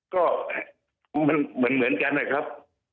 ก็มันเหมือนกันนะครับ